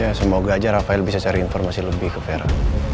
ya semoga aja rafael bisa cari informasi lebih ke vera